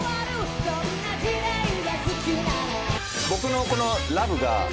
僕のこのラブが。